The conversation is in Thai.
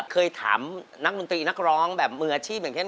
เคยถามนักดนตรีนักร้องแบบมืออาชีพอย่างเช่น